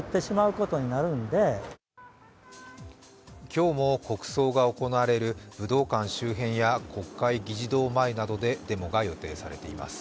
今日も国葬が行われる武道館周辺や国会議事堂前などでデモが予定されています。